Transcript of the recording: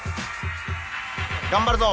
頑張るぞ！